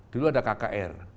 dulu ada kkr